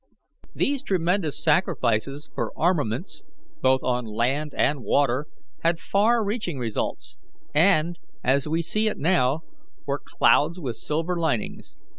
"These tremendous sacrifices for armaments, both on land and water, had far reaching results, and, as we see it now, were clouds with silver linings.